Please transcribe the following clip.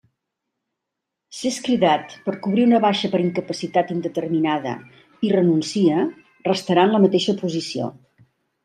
Si és cridat per cobrir una baixa per incapacitat indeterminada i renuncia restarà en la mateixa posició.